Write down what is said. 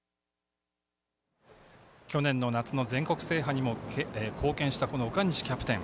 去年の夏の全国制覇にも貢献したこの岡西キャプテン。